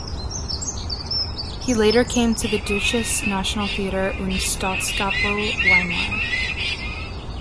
He later came to the Deutsches Nationaltheater und Staatskapelle Weimar.